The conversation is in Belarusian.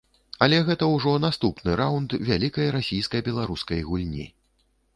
Але гэта ўжо наступны раўнд вялікай расійска-беларускай гульні.